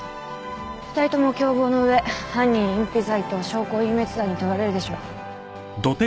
２人とも共謀の上犯人隠避罪と証拠隠滅罪に問われるでしょう。